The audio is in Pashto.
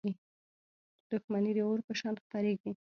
• دښمني د اور په شان خپرېږي.